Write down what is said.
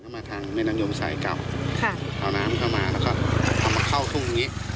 มาทางแม่น้ำยมสายเก่าค่ะเอาน้ำเข้ามาแล้วก็เอามาเข้าทุ่งนี้